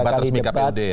debat resmi kpud ya